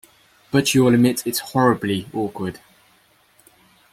But you’ll admit it’s horribly awkward.